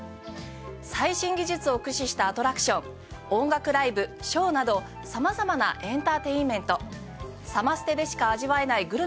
最新技術を駆使したアトラクション音楽ライブショーなど様々なエンターテインメントサマステでしか味わえないグルメも堪能できます。